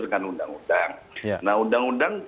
dengan undang undang nah undang undang